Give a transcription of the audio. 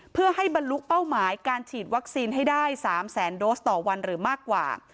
เพื่อให้บรรลุเป้าหมายการฉีดวัคซีนให้ได้๓แสนโดสต่อวันหรือมากกว่า